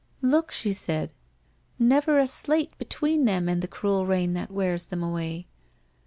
' Look !' she said, ' never a slate between them and the cruel rain that wears them away!